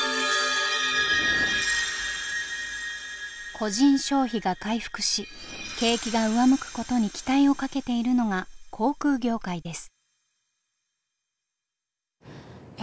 個人消費が回復し景気が上向くことに期待をかけているのが航空業界です。